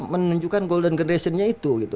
menunjukkan golden generationnya itu